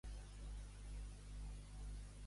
Què representa també el nom de Leuce?